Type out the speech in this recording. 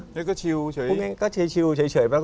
แล้วก็ชิวเฉย